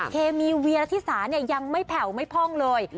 เคมีเวียรธิสาเนี่ยยังไม่แผ่วไม่พ่องเลย